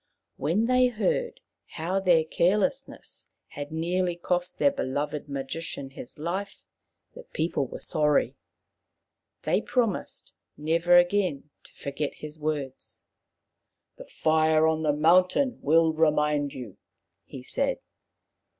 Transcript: When they heard how their carelessness had nearly cost their beloved magician his life, the people were sorry. They promised nevei again to forget his words. " The fire on the mountain will remind you," he said.